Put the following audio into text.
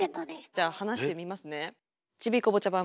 じゃあ話してみますね。